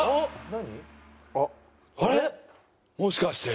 何？